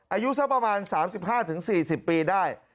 อายุสักประมาณ๓๕๔๐ปีได้